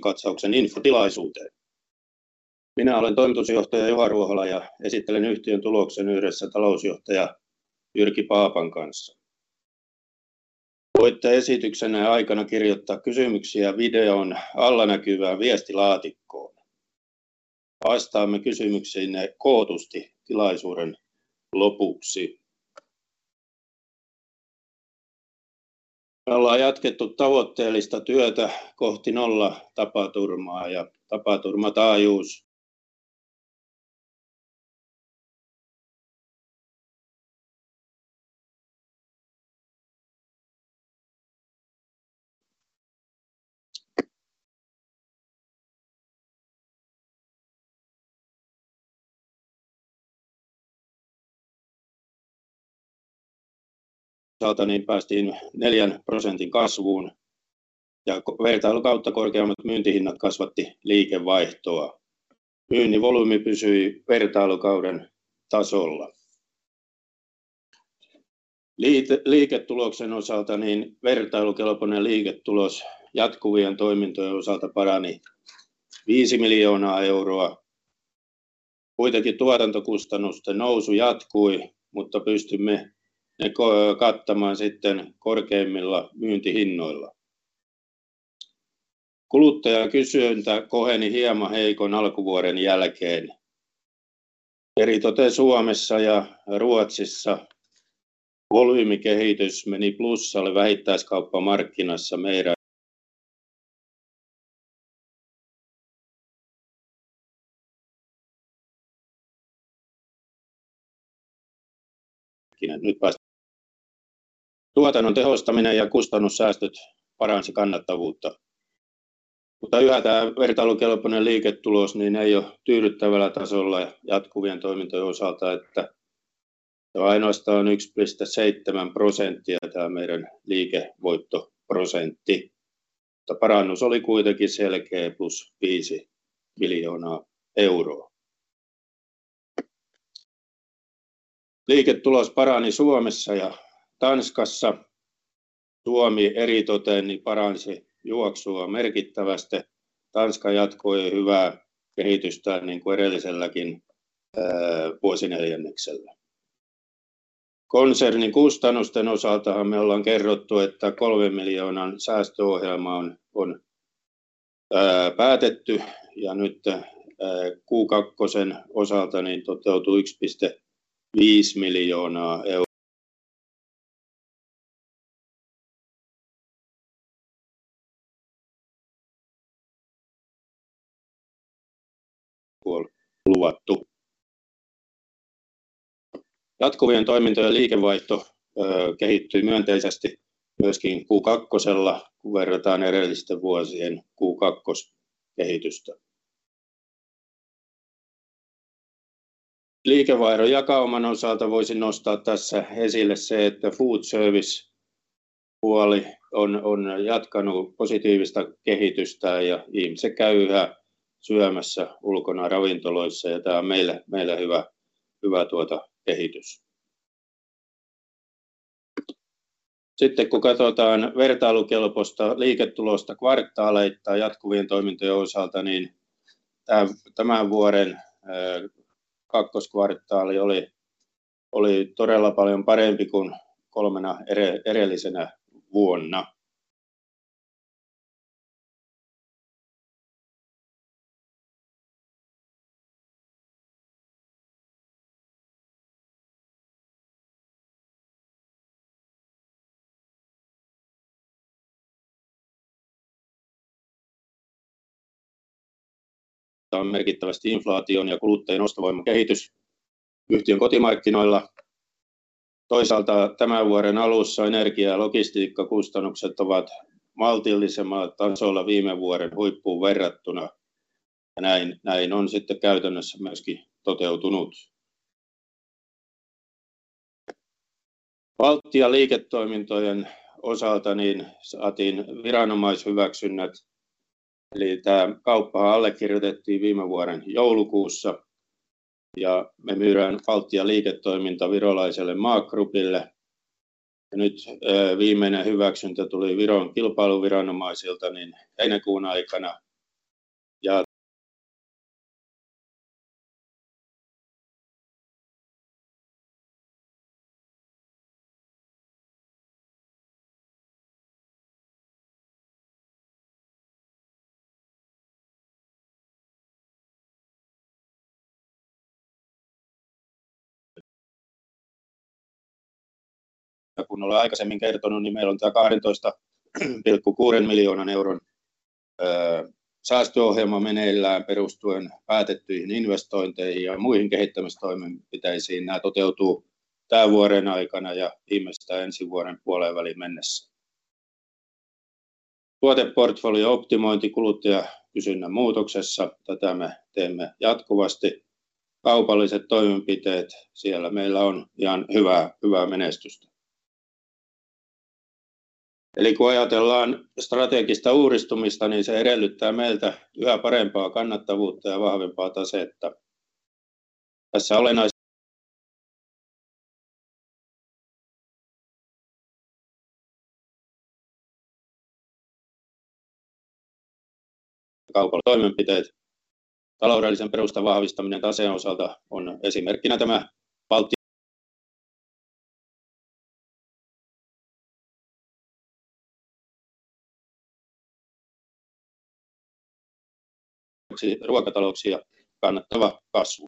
katsauksen infotilaisuuteen. Minä olen Toimitusjohtaja Juha Ruohola ja esittelen yhtiön tuloksen yhdessä Talousjohtaja Jyrki Paappa kanssa. Voitte esityksen aikana kirjoittaa kysymyksiä videon alla näkyvään viestilaatikkoon. Vastaamme kysymyksiinne kootusti tilaisuuden lopuksi. Me ollaan jatkettu tavoitteellista työtä kohti nolla tapaturmaa, ja tapaturmataajuus osalta, niin päästiin 4% kasvuun, ja vertailukautta korkeammat myyntihinnat kasvatti liikevaihtoa. Myynnin volyymi pysyi vertailukauden tasolla. Liiketuloksen osalta, niin vertailukelpoinen liiketulos jatkuvien toimintojen osalta parani EUR 5 million. Kuitenkin tuotantokustannusten nousu jatkui, mutta pystymme ne kattamaan sitten korkeammilla myyntihinnoilla. Kuluttajakysyntä koheni hieman heikon alkuvuoden jälkeen, eritoten Suomessa ja Ruotsissa. Volyymikehitys meni plussalle vähittäiskauppamarkkinassa meidän. Nyt tuotannon tehostaminen ja kustannussäästöt paransi kannattavuutta, mutta yhä tää vertailukelpoinen liiketulos, niin ei ole tyydyttävällä tasolla jatkuvien toimintojen osalta, että se ainoastaan on 1.7% tää meidän liikevoittoprosentti. Parannus oli kuitenkin selkeä, +EUR 5 million. Liiketulos parani Suomessa ja Tanskassa. Suomi eritoten niin paransi juoksua merkittävästi. Tanska jatkoi hyvää kehitystään niinku edelliselläkin vuosineljänneksellä. Konsernin kustannusten osaltahan me ollaan kerrottu, että 3 million säästöohjelma on päätetty ja nytten Q2:n osalta niin toteutui EUR 1.5 million, kuin on luvattu. Jatkuvien toimintojen liikevaihto kehittyi myönteisesti myöskin Q2:lla, kun verrataan edellisten vuosien Q2-kehitystä. Liikevaihdon jakauman osalta voisin nostaa tässä esille se, että food service -puoli on, on jatkanut positiivista kehitystään ja ihmiset käy yhä syömässä ulkona ravintoloissa ja tää on meille, meille hyvä, hyvä kehitys. Sitten kun katsotaan vertailukelpoista liiketulosta kvartaaleittain jatkuvien toimintojen osalta, niin tää tämän vuoden Q2 oli, oli todella paljon parempi kuin 3 edellisenä vuonna. On merkittävästi inflaation ja kuluttajien ostovoiman kehitys yhtiön kotimarkkinoilla. Toisaalta tämän vuoden alussa energia ja logistiikkakustannukset ovat maltillisemmalla tasolla viime vuoden huippuun verrattuna, ja näin, näin on sitten käytännössä myöskin toteutunut. Baltia liiketoimintojen osalta niin saatiin viranomaishyväksynnät. Tää kauppahan allekirjoitettiin viime vuoden joulukuussa. Me myydään Baltia-liiketoiminta virolaiselle Maag Gruppille. Nyt, viimeinen hyväksyntä tuli Viron kilpailuviranomaisilta heinäkuun aikana. Kun ollaan aikaisemmin kertonut, meillä on tää EUR 12.6 miljoonan säästöohjelma meneillään perustuen päätettyihin investointeihin ja muihin kehittämistoimenpiteisiin. Nää toteutuu tämän vuoden aikana ja viimeistään ensi vuoden puoleenväliin mennessä. Tuoteportfolio optimointi kuluttajakysynnän muutoksessa. Tätä me teemme jatkuvasti. Kaupalliset toimenpiteet, siellä meillä on ihan hyvää, hyvää menestystä. Kun ajatellaan strategista uudistumista, se edellyttää meiltä yhä parempaa kannattavuutta ja vahvempaa tasetta. Tässä olennais...... kaupan toimenpiteet. Taloudellisen perustan vahvistaminen taseen osalta on esimerkkinä tämä Balti- ruokatalouksia kannattava kasvu.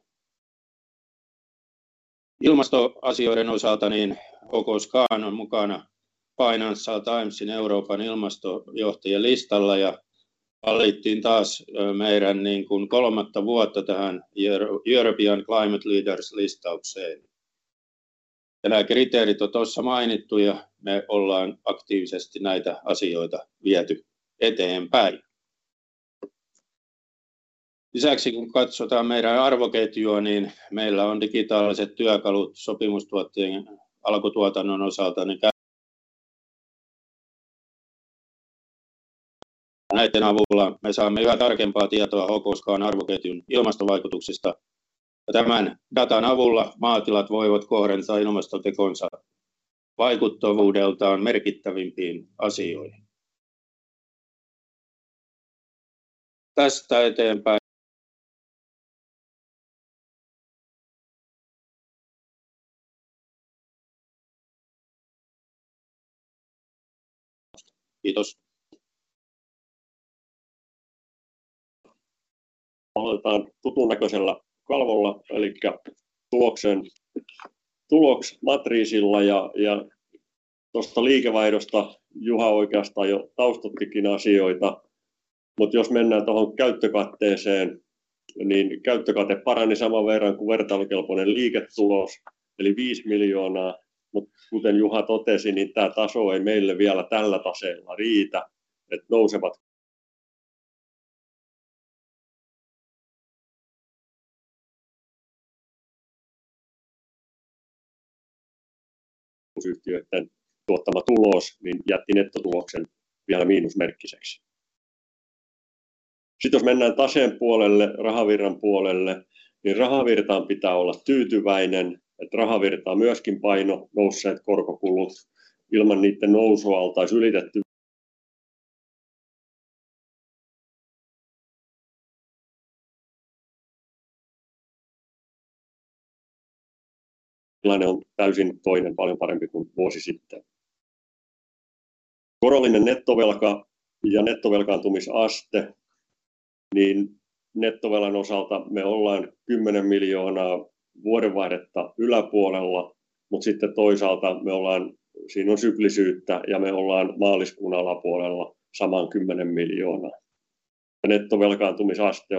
Ilmastoasioiden osalta, niin HKScan on mukana Financial Timesin Europe's Climate Leaders listalla ja valittiin taas meidän niin kun kolmatta vuotta tähän Europe's Climate Leaders listaukseen. Nää kriteerit on tuossa mainittu ja me ollaan aktiivisesti näitä asioita viety eteenpäin. Lisäksi kun katsotaan meidän arvoketjua, niin meillä on digitaaliset työkalut sopimustuottajien alkutuotannon osalta, näiden avulla me saamme yhä tarkempaa tietoa HKScan arvoketjun ilmastovaikutuksista, ja tämän datan avulla maatilat voivat kohdentaa ilmastotekonsa vaikuttavuudeltaan merkittävimpiin asioihin. Tästä eteenpäin. Kiitos! Aloitetaan tutun näköisellä kalvolla. Elikkä tuloksen, tulosmatriisilla ja, ja tuosta liikevaihdosta Juha oikeastaan jo taustoittikin asioita, mutta jos mennään tuohon käyttökatteeseen, niin käyttökate parani saman verran kuin vertailukelpoinen liiketulos, eli EUR 5 million. Kuten Juha totesi, niin tää taso ei meille vielä tällä taseella riitä, että yhtiöiden tuottama tulos, niin jätti nettotuloksen vielä miinusmerkkiseksi. Jos mennään taseen puolelle, rahavirran puolelle, niin rahavirtaan pitää olla tyytyväinen, että rahavirtaa myöskin paino nousseet korkokulut. Ilman niiden nousua oltaisiin ylitetty. Tilanne on täysin toinen, paljon parempi kuin vuosi sitten. Korollinen nettovelka ja nettovelkaantumisaste, niin nettovelan osalta me ollaan EUR 10 million vuodenvaihdetta yläpuolella. Sitten toisaalta me ollaan, siinä on syklisyyttä ja me ollaan maaliskuun alapuolella saman EUR 10 million. Nettovelkaantumisaste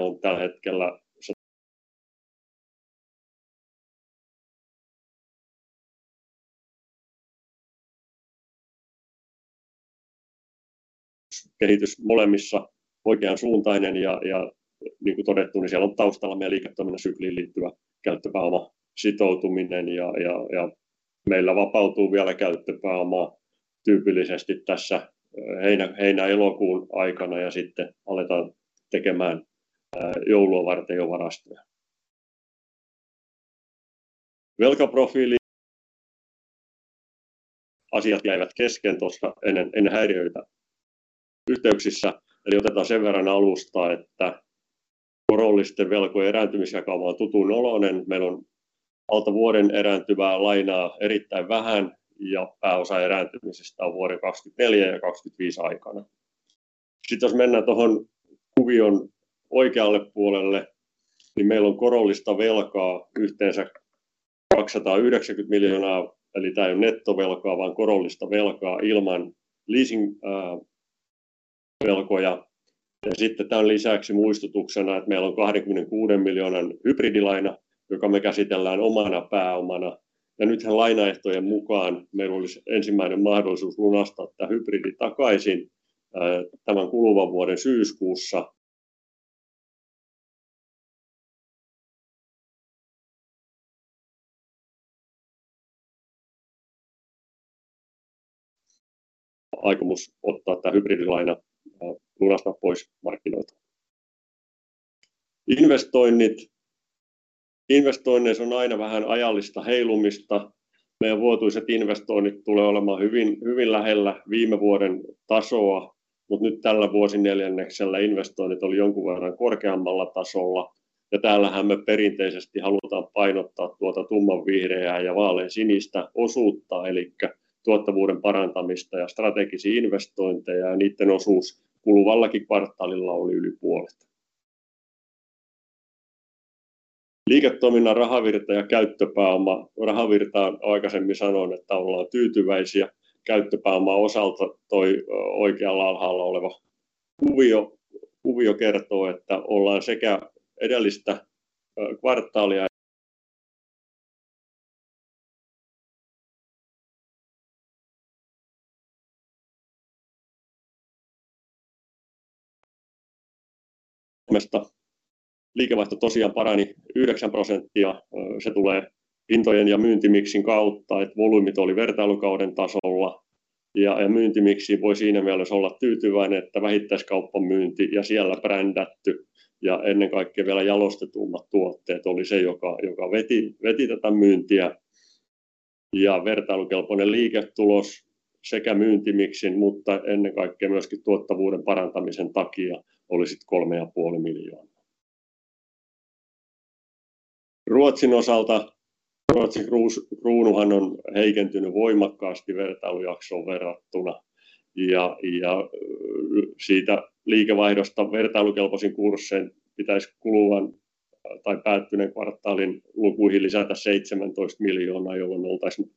kehitys molemmissa oikeansuuntainen ja, ja niin kuin todettu, niin siellä on taustalla meidän liiketoiminnan sykliin liittyvä käyttöpääomasitoutuminen ja, ja, ja meillä vapautuu vielä käyttöpääomaa tyypillisesti tässä heinä, heinä elokuun aikana ja sitten aletaan tekemään joulua varten jo varastoja. Velkaprofiili. Asiat jäivät kesken tuossa ennen, ennen häiriöitä yhteyksissä, eli otetaan sen verran alusta, että korollisten velkojen erääntymisjakauma on tutun oloinen. Meillä on alta vuoden erääntyvää lainaa erittäin vähän ja pääosa erääntymisestä on vuoden 2024 ja 2025 aikana. Jos mennään tuohon kuvion oikealle puolelle, niin meillä on korollista velkaa yhteensä EUR 290 million. Tää ei ole nettovelkaa, vaan korollista velkaa ilman leasingvelkoja. Tämän lisäksi muistutuksena, että meillä on EUR 86 millionin hybridilaina, joka me käsitellään omana pääomana. Nythän lainaehtojen mukaan meillä olisi first mahdollisuus lunastaa tämä hybridi takaisin tämän kuluvan vuoden syyskuussa. Aikomus ottaa tämä hybridilaina, lunastaa pois markkinoilta. Investoinnit. Investoinneissa on aina vähän ajallista heilumista. Meidän vuotuiset investoinnit tulee olemaan hyvin, hyvin lähellä viime vuoden tasoa, mutta nyt tällä vuosineljänneksellä investoinnit oli jonkun verran korkeammalla tasolla, ja täällähän me perinteisesti halutaan painottaa tuota tummanvihreää ja vaaleansinistä osuutta, elikkä tuottavuuden parantamista ja strategisia investointeja. Niiden osuus kuluvallakin kvartaalilla oli yli puolet. Liiketoiminnan rahavirta ja käyttöpääoma. Rahavirtaan aikaisemmin sanoin, että ollaan tyytyväisiä. Käyttöpääoman osalta toi oikealla alhaalla oleva kuvio, kuvio kertoo, että ollaan sekä edellistä kvartaalia-. Mielestä liikevaihto tosiaan parani 9%. Se tulee hintojen ja myyntimiksin kautta, että volyymit oli vertailukauden tasolla. Myyntimixiin voi siinä mielessä olla tyytyväinen, että vähittäiskaupan myynti ja siellä brändätty ja ennen kaikkea vielä jalostetummat tuotteet oli se, joka veti tätä myyntiä. Vertailukelpoinen liiketulos sekä myyntimixin, mutta ennen kaikkea myöskin tuottavuuden parantamisen takia oli sitten EUR 3.5 million. Ruotsin osalta Ruotsin kruunuhan on heikentynyt voimakkaasti vertailujaksoon verrattuna, ja siitä liikevaihdosta vertailukelpoisin kurssiin pitäisi kuluvan tai päättyneen kvartaalin lukuihin lisätä EUR 17 million, jolloin oltaisiin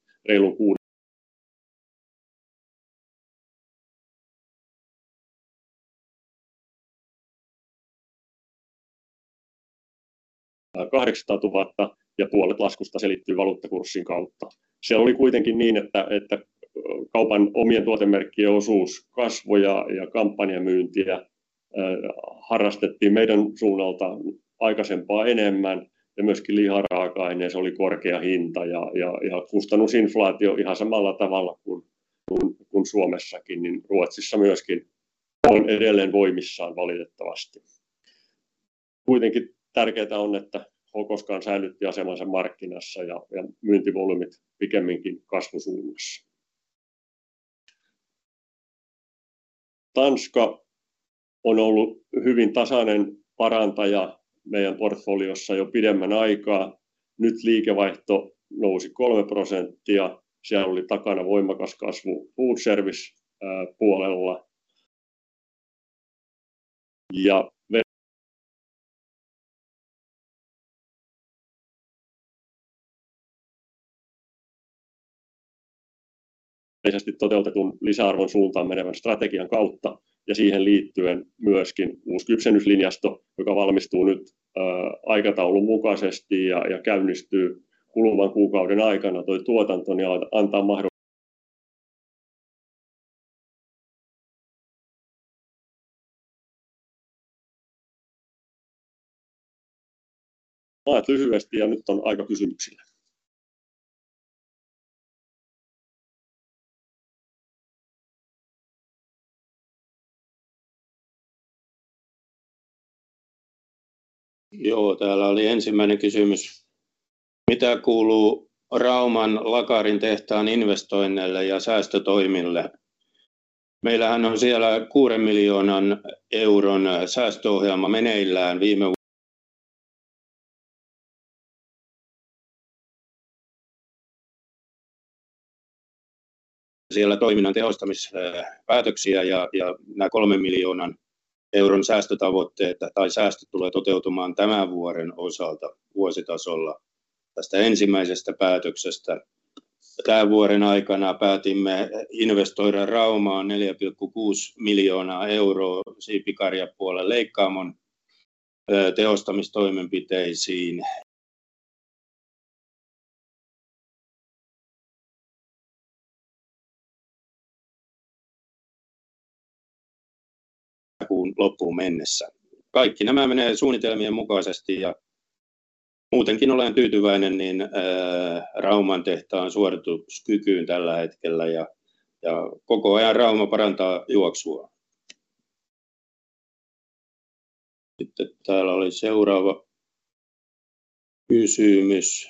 EUR 800,000, ja puolet laskusta selittyy valuuttakurssin kautta. Siellä oli kuitenkin niin, että kaupan omien tuotemerkkien osuus kasvoi ja kampanjamyyntiä harrastettiin meidän suunnalta aikaisempaa enemmän ja myöskin liharaaka-aineeseen oli korkea hinta ja kustannusinflaatio ihan samalla tavalla kun Suomessakin, niin Ruotsissa myöskin on edelleen voimissaan valitettavasti Tanska on ollut hyvin tasainen parantaja meidän portfoliossa jo pidemmän aikaa. Liikevaihto nousi 3%. Siellä oli takana voimakas kasvu Food Service -puolella. Lisästi toteutetun lisäarvon suuntaan menevän strategian kautta, ja siihen liittyen myöskin uusi kypsennyslinjasto, joka valmistuu nyt aikataulun mukaisesti ja, ja käynnistyy kuluvan kuukauden aikana toi tuotanto niin antaa mahdoll... Lyhyesti ja nyt on aika kysymyksille. Täällä oli ensimmäinen kysymys: mitä kuuluu Rauman lakrinitehtaan investoinneille ja säästötoimille? Meillähän on siellä EUR 6 million säästöohjelma meneillään viime vuo... siellä toiminnan tehostamis päätöksiä ja, ja nää EUR 3 million säästötavoitteet tai säästöt tulee toteutumaan tämän vuoden osalta vuositasolla. Tästä ensimmäisestä päätöksestä tän vuoden aikana päätimme investoida Raumaan EUR 4.6 million siipikarjapuolen leikkaamon tehostamistoimenpiteisiin. Kuun loppuun mennessä. Kaikki nämä menee suunnitelmien mukaisesti ja muutenkin olen tyytyväinen, niin Rauman tehtaan suorituskykyyn tällä hetkellä ja, ja koko ajan Rauma parantaa juoksuaan. Täällä oli seuraava kysymys.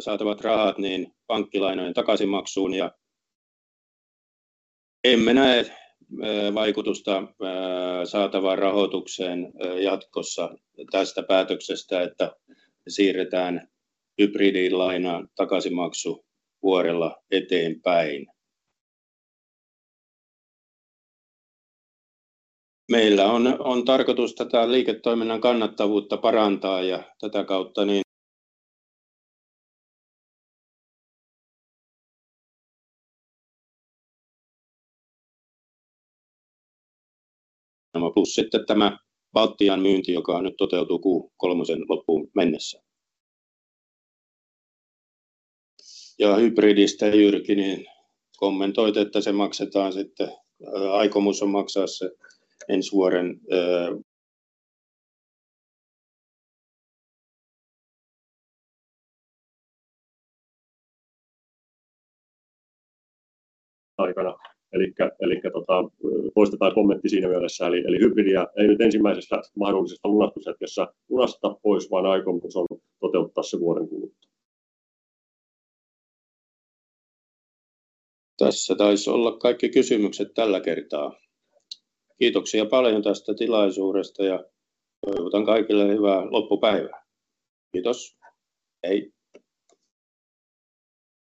Saatavat rahat niin pankkilainojen takaisinmaksuun, ja emme näe vaikutusta saatavaan rahoitukseen jatkossa tästä päätöksestä, että siirretään hybridilainaan takaisinmaksu vuodella eteenpäin. Meillä on tarkoitus tätä liiketoiminnan kannattavuutta parantaa ja tätä kautta, niin plus sitten tämä Baltian myynti, joka nyt toteutuu kuun kolmosen loppuun mennessä. Hybridistä Jyrki, niin kommentoit, että se maksetaan sitten, aikomus on maksaa se ensi vuoden aikana. Poistetaan kommentti siinä mielessä. Hybridiä ei nyt ensimmäisessä mahdollisessa lunastushetkissä lunasta pois, vaan aikomus on toteuttaa se vuoden kuluttua. Tässä taisi olla kaikki kysymykset tällä kertaa. Kiitoksia paljon tästä tilaisuudesta ja toivotan kaikille hyvää loppupäivää! Kiitos. Hei!